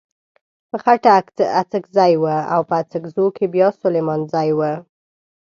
په خټه اڅکزی و او په اڅګزو کې بيا سليمانزی و.